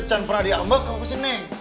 jangan pernah diambil ke kusim neng